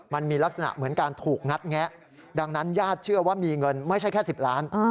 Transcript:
มันมีลักษณะเหมือนการถูกงัดแงะดังนั้นญาติเชื่อว่ามีเงินไม่ใช่แค่๑๐ล้าน